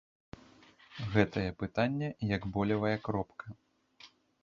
Гэтае пытанне як болевая кропка.